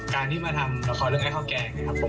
การที่มาทำละครเรื่องไอ้ข้าวแกงเนี่ยครับผม